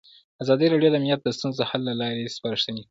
ازادي راډیو د امنیت د ستونزو حل لارې سپارښتنې کړي.